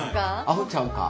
「あほちゃうか」。